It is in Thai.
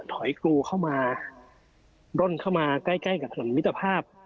กรูเข้ามาร่นเข้ามาใกล้ใกล้กับถนนมิตรภาพ